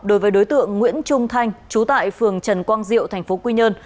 đối với đối tượng nguyễn trung thanh trú tại phường trần quang diệu tp quy nhơn